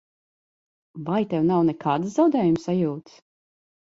Vai tev nav nekādas zaudējuma sajūtas?